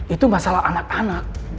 itu masalah anak anak